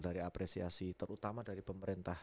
dari apresiasi terutama dari pemerintah